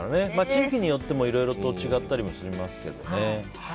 地域によっても、いろいろと違ったりしますけどね。